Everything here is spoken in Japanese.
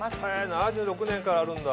７６年からあるんだ。